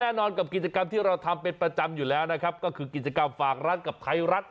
แน่นอนกับกิจกรรมที่เราทำเป็นประจำอยู่แล้วนะครับก็คือกิจกรรมฝากร้านกับไทยรัฐ